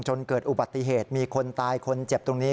เกิดอุบัติเหตุมีคนตายคนเจ็บตรงนี้